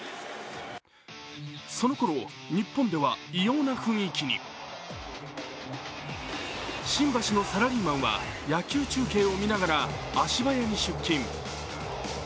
そのころ、日本では異様な雰囲気に新橋のサラリーマンは野球中継を見ながら足早に出勤。